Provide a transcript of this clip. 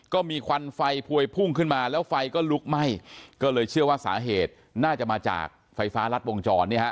ควันไฟพวยพุ่งขึ้นมาแล้วไฟก็ลุกไหม้ก็เลยเชื่อว่าสาเหตุน่าจะมาจากไฟฟ้ารัดวงจรเนี่ยฮะ